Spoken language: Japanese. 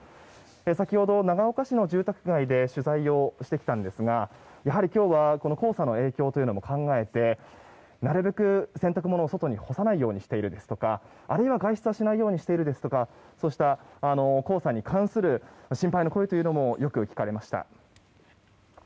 先ほど長岡市の住宅街で取材してきたんですが黄砂の影響も考えてなるべく洗濯物を、外に干さないようにしているですとか外出しないようにしているとか黄砂に関する心配の声もよく聞かれました。